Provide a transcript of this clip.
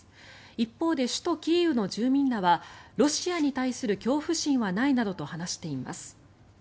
一方で首都キーウの住民らはロシアに対する恐怖心はないなどと話しています。